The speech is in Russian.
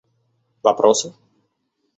вопросы